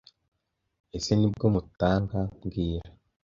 Ese Nibyo mutanga mbwira